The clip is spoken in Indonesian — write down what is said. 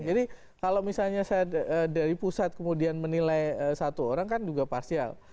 jadi kalau misalnya saya dari pusat kemudian menilai satu orang kan juga parsial